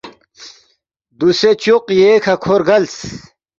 دوسے چوق ییکھہ کھو رگلس